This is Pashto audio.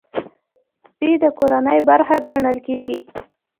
سپي د کورنۍ برخه ګڼل کېږي.